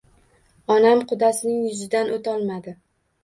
Onam qudasining yuzidan o`tolmadi